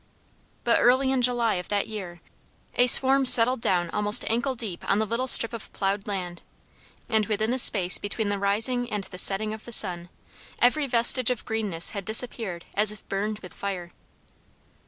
But early in July of that year a swarm settled down almost ancle deep on the little strip of ploughed land, and within the space between the rising and the setting of the sun, every vestige of greenness had disappeared as if burned with fire.